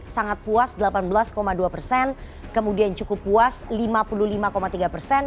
sangat puas delapan belas dua persen kemudian cukup puas lima puluh lima tiga persen